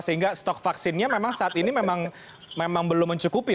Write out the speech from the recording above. sehingga stok vaksinnya memang saat ini memang belum mencukupi